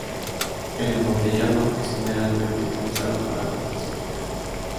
El embotellado es generalmente utilizado para frutas y vegetales.